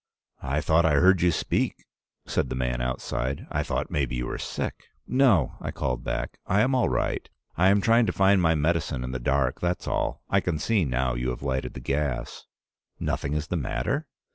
"'I thought I heard you speak,' said the man outside. 'I thought maybe you were sick.' "'No,' I called back. 'I am all right. I am trying to find my medicine in the dark, that's all. I can see now you have lighted the gas.' "'Nothing is the matter?